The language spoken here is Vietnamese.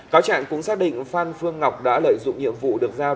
cáo trạng cũng xác định phan phương ngọc đã lợi dụng nhiệm vụ được giao